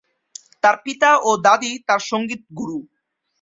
তার পিতা ও দাদী তাঁর সঙ্গীত গুরু।